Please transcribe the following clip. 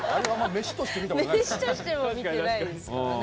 飯としては見てないですからね。